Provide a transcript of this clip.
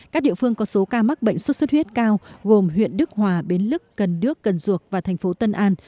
các địa phương có số ca mắc bệnh suốt suốt huyết cao gồm huyện đức hòa bến lức cần đước cần ruột và thành phố tân an